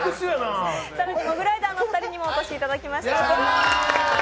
更にモグライダーのお二人にもお越しいただきました。